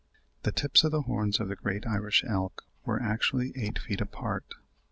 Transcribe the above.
The tips of the horns of the great Irish elk were actually eight feet apart!